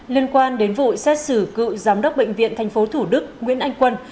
liên quan đến vụ xét xử cựu giám đốc bệnh viện tp thủ đức nguyễn anh quân